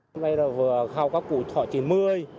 hôm nay là vừa khau các cụ thỏa chín mươi